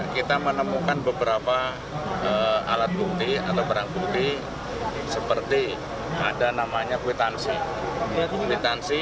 kita menemukan beberapa alat bukti atau barang bukti seperti ada namanya kwitansi